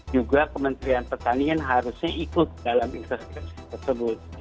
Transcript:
juga kementerian pertanian harusnya ikut dalam investigasi tersebut